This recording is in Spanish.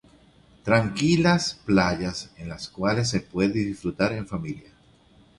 Tranquilas playas en las cuales se puede disfrutar en familia.